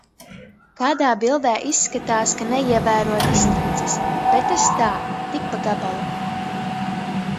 Kādā bildē izskatās, ka neievēro distances, bet tas tā tik pa gabalu.